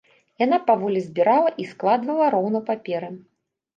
Яна паволі збірала і складвала роўна паперы.